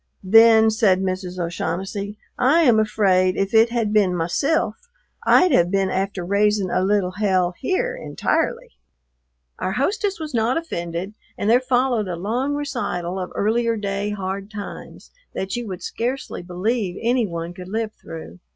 "Then," said Mrs. O'Shaughnessy, "I am afraid if it had been mysilf I'd have been after raising a little hell here intirely." Our hostess was not offended, and there followed a long recital of earlier day hard times that you would scarcely believe any one could live through.